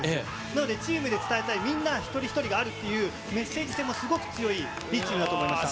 なので、チームで伝えたい、みんな一人一人があるっていう、メッセージ性もすごく強い、いいチームだと思います。